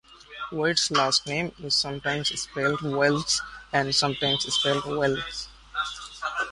Wade's last name is sometimes spelled Welles and sometimes spelled Wells.